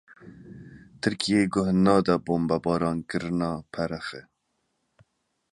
Tirkiyeyê guh neda bombebarankirina Perexê.